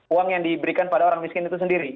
uang yang diberikan pada orang miskin itu sendiri